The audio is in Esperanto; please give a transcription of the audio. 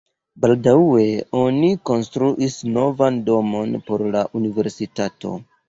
Baldaŭe oni konstruis novan domon por la universitato.